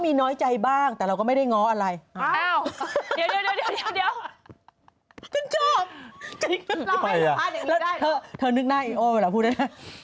มีที่ที่มียินซือนกลับบรับสนิม